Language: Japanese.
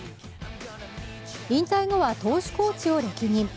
引退後は投手コーチを歴任。